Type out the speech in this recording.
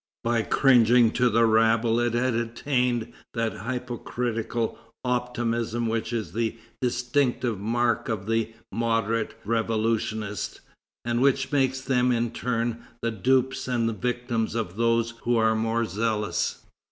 By cringing to the rabble it had attained that hypocritical optimism which is the distinctive mark of moderate revolutionists, and which makes them in turn the dupes and the victims of those who are more zealous.